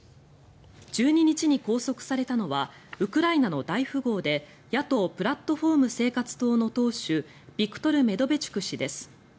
１２日に拘束されたのはウクライナの大富豪で野党プラットフォーム―生活党の党首ビクトル・メドベチュク氏です。